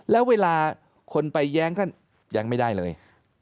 แล้วเวลาคนไปแย้งท่านยังไม่ได้เลย